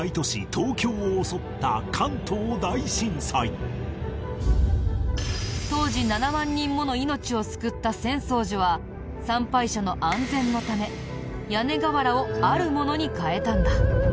東京を襲った関東大震災当時７万人もの命を救った浅草寺は参拝者の安全のため屋根瓦をあるものに換えたんだ。